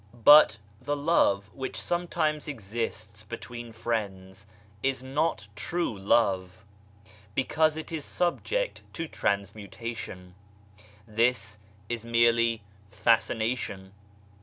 But the love which sometimes exists between friends is not (true) love, because it is subject to transmutation ; this is merely fascination.